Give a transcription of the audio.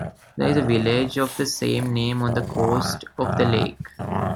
There is a village of the same name on the coast of the lake.